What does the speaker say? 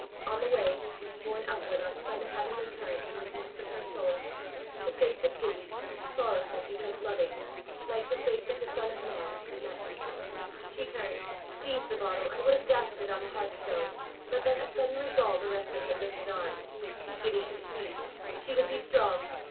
On the way borne upward on some heavenly current from the deeps of her soul, the face of Gibbie, sorrowful because loving, like the face of the Son of Man, met her. She turned, seized the bottle, and would have dashed it on the hearthstone, but that a sudden resolve arrested her lifted arm: Gibbie should see! She would be strong!